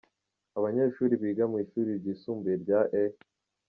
Abanyeshuri biga mu ishuri ryisumbuye rya E.